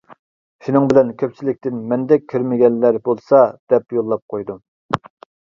شۇنىڭ بىلەن كۆپچىلىكتىن مەندەك كۆرمىگەنلەر بولسا دەپ يوللاپ قويدۇم.